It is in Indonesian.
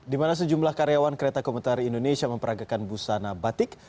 dimana sejumlah karyawan kereta komentar indonesia memperagakan busana batik